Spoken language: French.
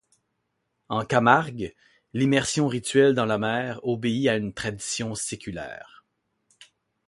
En Camargue, l'immersion rituelle dans la mer obéit à une tradition séculaire.